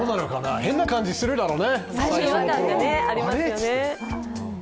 変な感じするだろうね。